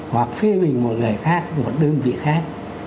hoặc phê bình một người khác một đơn vị khác